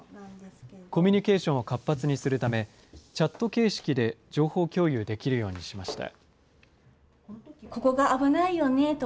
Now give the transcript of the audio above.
コミュニケーションを活発にするため、チャット形式で情報共有できるようにしました。